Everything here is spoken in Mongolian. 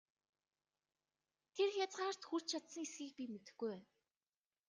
Тэр хязгаарт хүрч чадсан эсэхийг би мэдэхгүй байна!